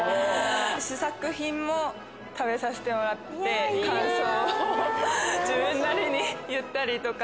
試作品も食べさせてもらって感想を自分なりに言ったりとか。